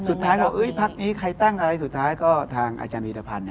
สุดท้ายก็พักนี้ใครตั้งอะไรสุดท้ายก็ทางอาจารย์วีรพันธ์